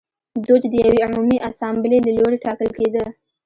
دوج د یوې عمومي اسامبلې له لوري ټاکل کېده.